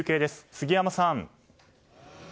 杉山さん。